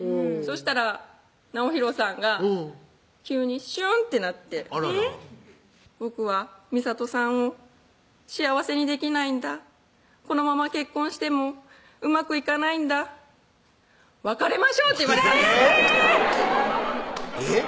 したら直洋さんが急にシュンってなってあらら「僕は実里さんを幸せにできないんだ」「このまま結婚してもうまくいかないんだ」「別れましょう」と言われたんですえぇ！